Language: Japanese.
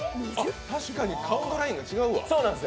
確かに顔のラインが違うわ。